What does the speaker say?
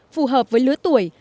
phù hợp với lứa tuổi